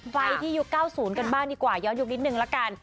ไปที่ยุค๙๐กันบ้างดีกว่าย้อนยุคนิดนึงละกัน